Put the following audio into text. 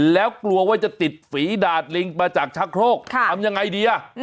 แล้วกลัวว่าจะติดฝีดาดลิงมาจากชะโครกทำยังไงดีอ่ะ